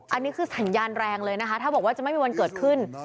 อันนี้คือสัญญาณแรงเลยนะคะถ้าบอกว่าจะไม่มีวันเกิดขึ้น